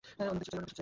অন্য কিছু চাই?